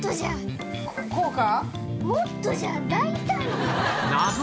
こうか？